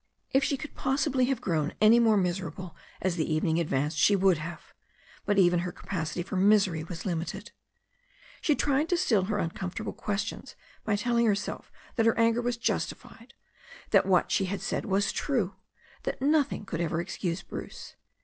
If she could possibly have grown any more miserable as the evening advanced she would have, but even her capacity for misery was limited. She tried to still her uncomfort able questions by telling herself that her anger was justified, that what she had said was true, that nothing could ever excuse Bruce.